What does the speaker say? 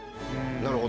なるほど。